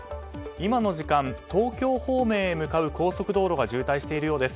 今の時間、東京方面へ向かう高速道路が渋滞しているようです。